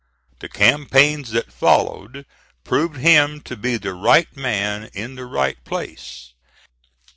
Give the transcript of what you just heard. The campaigns that followed proved him to be the right man in the right place.